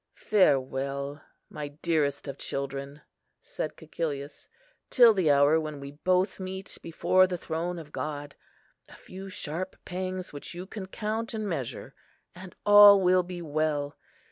"Farewell, my dearest of children," said Cæcilius, "till the hour when we both meet before the throne of God. A few sharp pangs which you can count and measure, and all will be well.